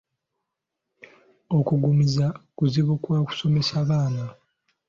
Okuggumiza kuzibu kwa kusomsesa baana.